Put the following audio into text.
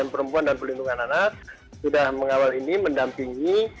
daerah perempuan dan perlindungan anak sudah mengawal ini mendampingi